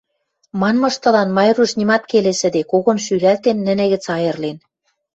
манмыштылан Майруш нимат келесӹде, когон шӱлӓлтен, нӹнӹ гӹц айырлен.